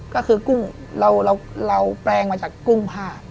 ก็คือกุ้งเราแปลงมาจากกุ้งผ้า